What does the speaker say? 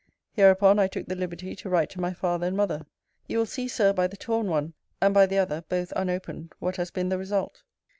Hereupon I took the liberty to write to my father and mother. You will see, Sir, by the torn one, and by the other, (both unopened,) what has been the result.